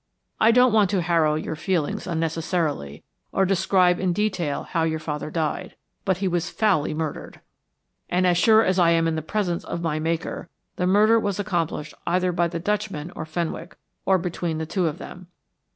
I don't want to harrow your feelings unnecessarily, or describe in detail how your father died; but he was foully murdered, and, as sure as I am in the presence of my Maker, the murder was accomplished either by the Dutchman or Fenwick, or between the two of them.